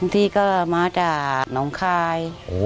ที่ก็มาจากน้องคาย